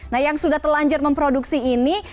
nah yang sudah telanjur memproduksi ini